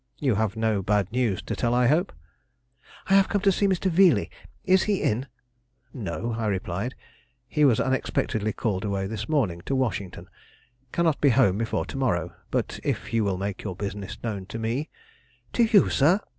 You have no bad news to tell, I hope." "I have come to see Mr. Veeley; is he in?" "No," I replied; "he was unexpectedly called away this morning to Washington; cannot be home before to morrow; but if you will make your business known to me " "To you, sir?"